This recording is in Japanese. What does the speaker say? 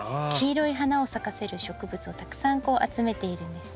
黄色い花を咲かせる植物をたくさん集めているんですね。